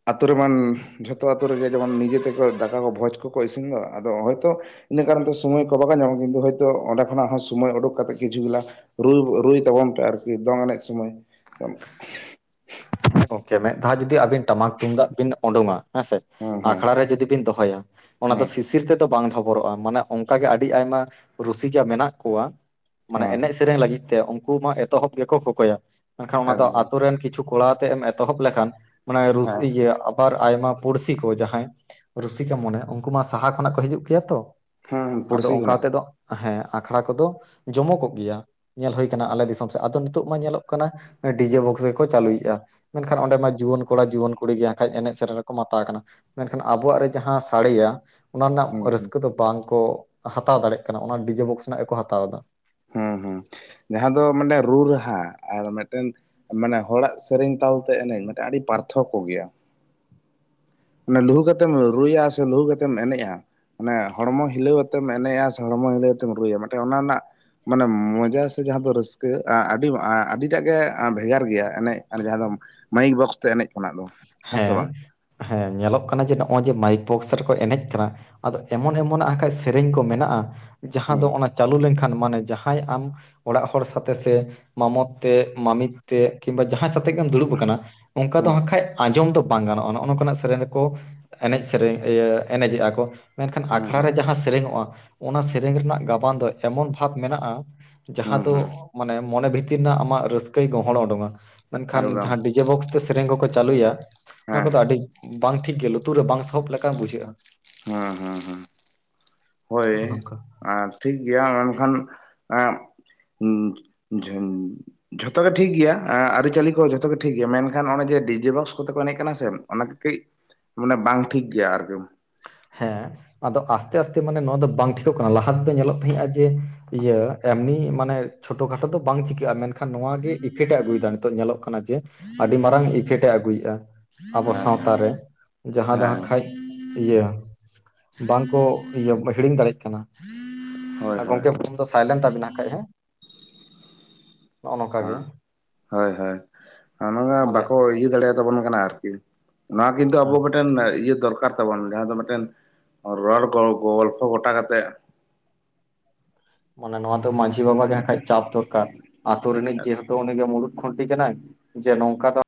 Speaker 1: ᱟᱹᱛᱩ ᱨᱮᱢᱟᱱ- ᱡᱷᱚᱛᱚ ᱟᱛᱳ ᱨᱮᱜᱮ ᱡᱮᱢᱚᱱ ᱱᱤᱡᱮ ᱛᱮᱠᱚ ᱫᱟᱠᱟ ᱠᱚ ᱵᱷᱚᱡᱽ ᱠᱚᱠᱚ ᱤᱥᱤᱱ ᱫᱟ ᱟᱫᱚ ᱦᱚᱭᱛᱚᱼᱼ ᱤᱱᱟᱹ ᱠᱟᱨᱚᱱ ᱛᱮ ᱥᱚᱢᱚᱭ ᱠᱚ ᱵᱟᱝ ᱧᱟᱢᱚᱜ ᱠᱤᱱᱛᱩ ᱦᱚᱭᱛᱳ ᱚᱸᱰᱮ ᱠᱷᱚᱱᱟᱜ ᱦᱚᱸ ᱥᱚᱢᱚᱭ ᱩᱰᱩᱠ ᱠᱟᱛᱮᱜ ᱜᱮ ᱡᱷᱩ ᱜᱤᱞᱟᱹ ᱨ ᱨᱩᱭ ᱛᱟᱵᱚᱱ ᱯᱮ ᱟᱨᱠᱤ ᱫᱚᱝ ᱮᱱᱮᱡ ᱥᱚᱢᱚᱭᱼᱼ
Speaker 2: ᱜᱚᱝᱠᱮ ᱢᱮᱫ ᱫᱷᱟᱣ ᱡᱩᱫᱤ ᱟᱵᱤᱱ ᱴᱟᱢᱟᱠ ᱛᱩᱢᱫᱟᱜ ᱵᱤᱱ ᱩᱰᱩᱝᱼᱟᱼᱼ ᱦᱮᱸᱥᱮ ᱟᱠᱷᱲᱟ
Speaker 1: ᱦᱩᱸ
Speaker 2: ᱨᱮ ᱡᱩᱫᱤ ᱵᱤᱱ ᱫᱚᱦᱚᱭᱟ, ᱚᱱᱟ ᱫᱚ
Speaker 1: ᱦᱩᱸ
Speaker 2: ᱥᱤᱥᱤᱨ ᱛᱮᱫᱚ ᱵᱟᱝ ᱵᱚᱨᱚᱜᱼᱟ ᱢᱟᱱᱮ ᱚᱱᱠᱟᱜᱮ ᱟᱹᱰᱤ ᱟᱭᱢᱟ ᱨᱩᱥᱤᱠᱟ ᱢᱮᱱᱟᱜ ᱠᱚᱣᱟ᱾ ᱢᱟᱱᱮ
Speaker 1: ᱦᱮᱸ
Speaker 2: ᱮᱱᱮᱡ ᱥᱮᱨᱮᱹᱧ ᱞᱟᱹᱜᱤᱫ ᱛᱮ ᱩᱱᱠᱩ ᱢᱟ ᱮᱛᱚᱦᱚᱵ ᱜᱮᱠᱚ ᱠᱚᱠᱚᱭᱟ ᱢᱮᱱ ᱠᱷᱟᱱ ᱚᱱᱟ ᱫᱚ
Speaker 1: ᱮᱠᱫᱚᱢ
Speaker 2: ᱟᱛᱩ ᱨᱮᱱ ᱠᱤᱼᱼ ᱠᱚᱲᱟ ᱛᱮ ᱮᱢ ᱮᱛᱚᱦᱚᱵ ᱞᱮᱠᱷᱟᱱ ᱢᱟᱱᱮ
Speaker 1: ᱦᱮᱸ
Speaker 2: ᱤᱭᱟᱹᱼᱼ ᱟᱵᱟᱨ ᱟᱭᱢᱟ ᱯᱩᱲᱥᱤ ᱠᱚ ᱡᱟᱦᱟᱸᱭ ᱨᱩᱥᱤᱠᱟ ᱢᱚᱱᱮ ᱩᱱᱠᱩ ᱢᱟ ᱥᱟᱦᱟ ᱠᱷᱚᱱᱟᱜ ᱠᱚ ᱦᱤᱡᱩᱜ ᱜᱮᱭᱟ ᱛᱚ,
Speaker 1: ᱦᱩᱸ
Speaker 2: ᱟᱫᱚ
Speaker 1: ᱯᱩᱲᱥᱤ
Speaker 2: ᱚᱱᱠᱟ
Speaker 1: ᱠᱷᱚᱱᱟᱜ
Speaker 2: ᱛᱮᱫᱚ ᱦᱮᱸ ᱟᱠᱷᱲᱟ ᱠᱚᱫᱚ ᱡᱚᱢᱚ ᱠᱚᱜ ᱜᱮᱭᱟ᱾ ᱧᱮᱞ ᱦᱩᱭ ᱠᱟᱱᱟ ᱟᱞᱮ ᱫᱤᱥᱚᱢ ᱥᱮᱫ ᱟᱫᱚ ᱱᱤᱛᱚᱜ ᱢᱟ ᱧᱮᱞᱚᱜ ᱠᱟᱱᱟ ᱰᱤᱡᱮ ᱵᱚᱠᱥ ᱜᱮᱠᱚ ᱪᱟᱹᱞᱩᱭᱼᱼ ᱢᱮᱱ ᱠᱷᱟᱱ ᱚᱸᱰᱮ ᱢᱟ ᱡᱩᱣᱟᱹᱱ ᱠᱚᱲᱟ ᱡᱩᱣᱟᱹᱱ ᱠᱩᱲᱤ ᱜᱮ ᱟᱝᱠᱷᱟᱡ ᱮᱱᱮᱡ ᱥᱮᱨᱮᱧ ᱨᱮᱠᱚ ᱢᱟᱛᱟᱣ ᱠᱟᱱᱟ᱾ ᱢᱮᱱ ᱠᱷᱟᱱ ᱟᱵᱚᱣᱟᱜ ᱨᱮ ᱡᱟᱦᱟᱸ ᱥᱟᱲᱮᱭᱟᱼᱼ ᱚᱱᱟ ᱨᱮᱱᱟᱜ
Speaker 1: ᱦᱩᱸ ᱦᱩᱸ
Speaker 2: ᱨᱟᱹᱥᱠᱟᱹ ᱫᱚ ᱵᱟᱝ ᱠᱚ ᱦᱟᱛᱟᱣ ᱫᱟᱲᱭᱟᱜ ᱠᱟᱱᱟ ᱚᱱᱟ ᱰᱤᱡᱮ ᱵᱚᱠᱥ ᱨᱮᱱᱟᱜ ᱜᱮ ᱠᱚ ᱦᱟᱛᱟᱣ ᱮᱫᱟ᱾
Speaker 1: ᱦᱮᱸ ᱦᱮᱸ ᱡᱟᱦᱟᱸ ᱫᱚ ᱢᱤᱫ ᱴᱮᱱ ᱨᱩ ᱨᱟᱦᱟ ᱟᱨ ᱢᱤᱫᱴᱮᱱᱼᱼ ᱢᱟᱱᱮ ᱦᱚᱲᱟᱜ ᱥᱮᱨᱮᱧ ᱛᱟᱞᱛᱮ ᱮᱱᱮᱡ ᱟᱹᱰᱤ ᱯᱟᱨᱛᱷᱚᱠ ᱠᱚ ᱜᱮᱭᱟ᱾ ᱚᱱᱮ ᱞᱩᱦᱩ ᱠᱟᱛᱮᱢ ᱨᱩᱭᱟ ᱥᱮ ᱞᱩᱦᱩ ᱠᱟᱛᱮᱢ ᱮᱱᱮᱡᱼᱟ, ᱢᱟᱱᱮ ᱦᱚᱲᱢᱚ ᱦᱤᱞᱟᱹᱣᱛᱮᱢ ᱮᱱᱮᱡᱼᱟ ᱥᱮ ᱦᱚᱲᱢᱚ ᱦᱤᱞᱟᱹᱣᱛᱮᱢ ᱨᱩᱭᱟ ᱚᱱᱟ ᱨᱮᱱᱟᱜᱼᱼ ᱢᱟᱱᱮ ᱢᱚᱡᱟ ᱥᱮ ᱡᱟᱦᱟᱸ ᱫᱚ ᱨᱟᱹᱥᱠᱟᱹ ᱟᱹᱰᱤ ᱟᱹᱰᱤᱴᱟᱜ ᱜᱮ ᱵᱷᱮᱜᱟᱨ ᱜᱮᱭᱟ ᱮᱱᱮᱡ ᱡᱟᱦᱟᱸ ᱫᱚ, ᱢᱟᱭᱤᱠ ᱵᱚᱠᱥ ᱛᱮ ᱮᱱᱮᱡ ᱠᱷᱚᱱᱟᱜ ᱫᱚ᱾ ᱥᱮ
Speaker 2: ᱦᱮᱸ
Speaker 1: ᱵᱟᱝ
Speaker 2: ᱦᱮᱸ ᱧᱮᱞᱚᱜ ᱠᱟᱱᱟ ᱡᱮ ᱱᱚᱜᱼᱚᱭ ᱡᱮ ᱢᱟᱭᱤᱠ ᱵᱚᱠᱥ ᱨᱮᱠᱚ ᱮᱱᱮᱡ ᱠᱟᱱᱟ᱾ ᱟᱫᱚ ᱮᱢᱚᱱ ᱮᱢᱚᱱ ᱠᱟᱡ ᱥᱮᱨᱮᱧ ᱠᱚ ᱢᱮᱱᱟᱜᱼᱟ ᱡᱟᱦᱟᱸ
Speaker 1: ᱦᱩᱸ
Speaker 2: ᱫᱚ ᱚᱱᱟᱼᱼ ᱪᱟᱹᱞᱩ ᱞᱮᱱ ᱠᱷᱟᱱ ᱢᱟᱱᱮ ᱡᱟᱦᱟᱸᱭ ᱟᱢᱼᱼ ᱚᱲᱟᱜ ᱦᱚᱲ ᱥᱟᱛᱮ ᱥᱮ ᱢᱟᱢᱚᱛ ᱛᱮ, ᱢᱟᱢᱤᱛ ᱛᱮ, ᱠᱤᱢᱵᱟ ᱡᱟᱦᱟᱸᱭ ᱥᱟᱛᱮᱜ ᱜᱮᱢ ᱫᱩᱲᱩᱵ ᱟᱠᱟᱱᱟ᱾ ᱚᱱᱠᱟ ᱫᱚ
Speaker 1: ᱦᱩᱸ
Speaker 2: ᱟᱠᱷᱟᱡᱼᱼ ᱟᱸᱡᱚᱢ ᱫᱚ ᱵᱟᱝ ᱜᱟᱱᱚᱜᱼᱟ ᱱᱚᱜᱼᱚ ᱱᱚᱝ ᱠᱟᱱᱟᱜ ᱥᱮᱨᱮᱧ ᱨᱮᱠᱚ ᱮᱱᱮᱡ ᱥᱮᱨᱮᱧ ᱮᱱᱮᱡᱮᱜᱼᱟ ᱠᱚ᱾ ᱢᱮᱱ ᱠᱷᱟᱱ
Speaker 1: ᱦᱩᱸ
Speaker 2: ᱟᱠᱷᱲᱟ
Speaker 1: ᱦᱩᱸ
Speaker 2: ᱨᱮ ᱡᱟᱦᱟᱸ ᱥᱮᱨᱮᱧᱚᱜᱼᱟ ᱚᱱᱟ ᱥᱮᱨᱮᱧ ᱨᱮᱱᱟᱜ ᱜᱟᱵᱟᱱ ᱫᱚ ᱮᱢᱚᱱ ᱵᱷᱟᱵᱽ ᱢᱮᱱᱟᱜᱼᱟ ᱡᱟᱸᱦᱟ
Speaker 1: ᱦᱩᱸ
Speaker 2: ᱫᱚ
Speaker 1: ᱦᱩᱸ
Speaker 2: ᱢᱟᱱᱮ ᱢᱚᱱᱮ ᱵᱷᱤᱛᱤᱨ ᱨᱮᱱᱟᱜ ᱟᱢᱟᱜ ᱨᱟᱹᱥᱠᱟᱹᱭ ᱜᱚᱦᱚᱲ ᱚᱰᱩᱠᱟᱼᱟ ᱢᱮᱱ ᱠᱷᱟᱱ
Speaker 1: ᱮᱠᱫᱚᱢ
Speaker 2: ᱡᱟᱸᱦᱟ ᱵᱤᱼᱼ ᱰᱤᱡᱮ ᱵᱚᱠᱥ ᱛᱮ ᱥᱮᱨᱮᱧ ᱠᱚᱠᱚ ᱪᱟᱹᱞᱩᱭᱟ ᱚᱱᱟ
Speaker 1: ᱦᱮᱸ
Speaker 2: ᱠᱚᱫᱚ ᱟᱹᱰᱤ ᱵᱟᱝ ᱴᱷᱤᱠ ᱜᱮ ᱞᱩᱛᱩᱨ ᱨᱮ ᱵᱟᱝ ᱥᱟᱦᱚᱵ ᱞᱮᱠᱟ ᱵᱩᱡᱷᱟᱹᱜᱼᱟ᱾
Speaker 1: ᱦᱮᱸ ᱦᱮᱸ ᱦᱮᱸ ᱦᱳᱭ᱾
Speaker 2: ᱱᱚᱜᱼᱚ ᱱᱚᱝᱠᱟ
Speaker 1: ᱟᱨ ᱴᱷᱤᱠ ᱜᱮᱭᱟ ᱢᱮᱱ ᱠᱷᱟᱱᱼᱼ ᱡᱷᱚᱛᱚ ᱜᱮ ᱴᱷᱤᱠ ᱜᱮᱭᱟ ᱟᱹᱨᱤᱪᱟᱹᱞᱤ ᱠᱚ ᱡᱷᱚᱛᱚ ᱜᱮ ᱴᱷᱤᱠ ᱜᱮᱭᱟ ᱢᱮᱱ ᱠᱷᱟᱱ ᱚᱱᱮ ᱡᱮ ᱰᱤᱡᱮ ᱵᱚᱠᱥ ᱛᱮᱠᱚ ᱮᱱᱮᱡ ᱠᱟᱱᱟ ᱥᱮ ᱚᱱᱟ ᱜᱮ ᱠᱟᱹᱡ ᱢᱟᱱᱮ ᱵᱟᱝ ᱴᱷᱤᱠ ᱜᱮᱭᱟ ᱟᱨᱠᱤ᱾
Speaker 2: ᱦᱮᱸ᱾ ᱟᱫᱚ ᱟᱥᱛᱮ ᱟᱥᱛᱮ ᱢᱟᱱᱮ ᱱᱚᱣᱟ ᱫᱚ ᱵᱟᱝ ᱴᱷᱤᱠᱚᱜ ᱠᱟᱱᱟ ᱞᱟᱦᱟ ᱛᱮᱫᱚ ᱧᱮᱞᱚᱜ ᱛᱟᱦᱮᱸᱫᱼᱟ ᱡᱮ ᱤᱭᱟᱹ ᱮᱢᱱᱤ ᱢᱟᱱᱮᱼᱼ ᱪᱷᱳᱴᱳ ᱠᱷᱟᱴᱳ ᱫᱚ ᱵᱟᱝ ᱪᱤᱠᱟᱹᱜᱼᱟ ᱢᱮᱱᱠᱷᱟᱱ ᱱᱚᱣᱟᱜ ᱜᱮ ᱤᱯᱷᱮᱠᱴ ᱮ ᱟᱹᱜᱩᱭᱮᱫᱟ ᱱᱤᱛᱚᱜ ᱧᱮᱞᱚᱜ ᱠᱟᱱᱟ ᱡᱮᱼᱼ ᱟᱹᱰᱤ ᱢᱟᱨᱟᱝ ᱤᱯᱷᱮᱠᱴᱮ ᱟᱹᱜᱩᱭᱮᱫᱼᱟ ᱟᱵᱚ
Speaker 1: ᱦᱮᱸ
Speaker 2: ᱥᱟᱶᱛᱟᱨᱮ ᱡᱟᱦᱟᱸ ᱫᱚ
Speaker 1: ᱦᱮᱸ
Speaker 2: ᱟᱠᱷᱟᱡᱼᱼ ᱤᱭᱟᱹ ᱵᱟᱝ ᱠᱚ ᱦᱤᱲᱤᱧ ᱫᱟᱲᱮᱭᱟᱜ ᱠᱟᱱᱟ᱾
Speaker 1: ᱦᱳᱭ
Speaker 2: ᱟᱨ
Speaker 1: ᱦᱳᱭ
Speaker 2: ᱜᱚᱢᱠᱮ ᱯᱷᱩᱱ ᱫᱚ ᱥᱟᱭᱞᱮᱱᱴ ᱛᱟᱵᱤᱱᱟ ᱦᱟᱸᱜ ᱠᱷᱟᱡ ᱦᱮᱸ ᱱᱚᱜ-ᱚ ᱱᱚᱝᱠᱟ
Speaker 1: ᱟᱸ
Speaker 2: ᱜᱮ᱾
Speaker 1: ᱦᱳᱭ ᱦᱳᱭ ᱱᱚᱣᱟ
Speaker 2: ᱢᱟᱱᱮ
Speaker 1: ᱵᱟᱠᱚ ᱤᱭᱟᱹ ᱫᱟᱲᱮᱭᱟ ᱛᱟᱵᱚᱱ ᱠᱟᱱᱟ ᱟᱨᱠᱤ᱾ ᱱᱚᱣᱟ ᱠᱤᱱᱛᱩ ᱟᱵᱚ
Speaker 2: ᱦᱮᱸ
Speaker 1: ᱢᱤᱫᱴᱮᱱ ᱤᱭᱟᱹ ᱫᱚᱨ- ᱠᱟᱨ ᱛᱟᱵᱚᱱ ᱡᱟᱦᱟᱸ ᱫᱚ ᱢᱤᱫᱴᱮᱱ ᱨᱚᱲ ᱠᱚ ᱜᱚᱞᱯᱷᱚ ᱜᱚᱴᱟ ᱠᱟᱛᱮᱫ
Speaker 2: ᱢᱟᱱᱮ ᱱᱚᱣᱟ ᱫᱚ ᱢᱟᱺᱡᱷᱤ ᱵᱟᱵᱟ ᱜᱮ ᱦᱟᱸᱜ ᱠᱷᱟᱡ ᱪᱟᱯ ᱫᱚᱨᱠᱟᱨ, ᱟᱛᱳ ᱨᱤᱱᱤᱡ ᱡᱮᱦᱮᱛᱩ ᱩᱱᱤ ᱜᱮ ᱢᱩᱲᱩᱫ ᱠᱷᱩᱱᱴᱤ ᱠᱟᱱᱟᱭ᱾ ᱡᱮ ᱱᱚᱝᱠᱟ ᱫᱚ